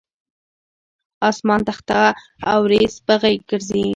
اسمان تخته اوریځ په غیږ ګرځي